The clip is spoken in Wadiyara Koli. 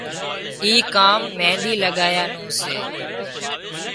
اي ڪام مينۮي لڳايا نُون سي